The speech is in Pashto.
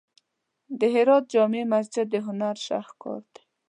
د هرات جامع مسجد د هنر شاهکار دی.